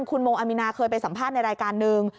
คุณโมอามีนาเคยไปสัมภาษณ์ในรายการนึง